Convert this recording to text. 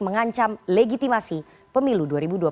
mengancam legitimasi pemilu dua ribu dua puluh